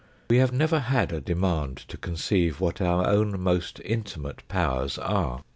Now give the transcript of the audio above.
We have never had a demand to conceive what our own most intimate powers are.